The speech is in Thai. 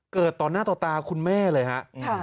เกิดต่อหน้าต่อตาคุณแม่เลยฮะ